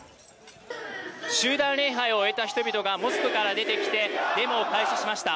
集団礼拝を終えた人々がモスクから出てきてデモを開始しました。